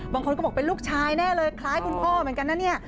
บางคนก็บอกเป็นลูกชายแน่เลยคล้ายคุณพ่อเหมือนกันนะเนี่ย